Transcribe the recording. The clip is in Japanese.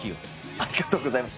ありがとうございます。